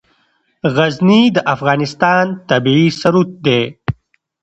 غزني د افغانستان طبعي ثروت دی.